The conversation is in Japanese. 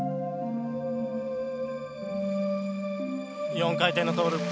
４回転のトーループ。